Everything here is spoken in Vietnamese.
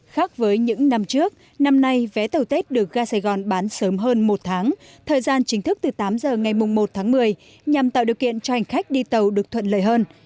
khác với những năm trước năm nay vé tàu tết được ga sài gòn bán sớm hơn một tháng thời gian chính thức từ tám giờ ngày một tháng một mươi nhằm tạo điều kiện cho hành khách đi tàu được thuận lợi hơn